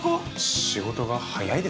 仕事が早いですね。